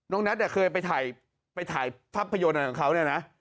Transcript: น้องนัทเนี่ยเคยไปถ่ายไปถ่ายภาพยนตร์ของเขาเนี่ยนะ